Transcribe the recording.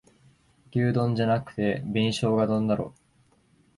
牛丼じゃなくて紅しょうが丼だろ